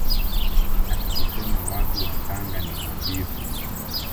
Na tukisema watu wa Tanga ni wavivu